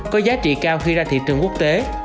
có giá trị cao khi ra thị trường quốc tế